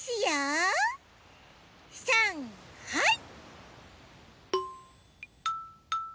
さんはい！